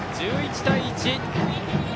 １１対１。